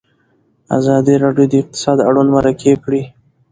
ازادي راډیو د اقتصاد اړوند مرکې کړي.